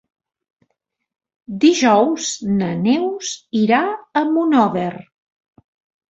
Dijous na Neus irà a Monòver.